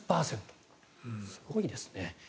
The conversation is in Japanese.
すごいですね。